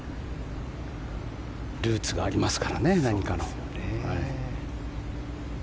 ルーツがありますからね何かの。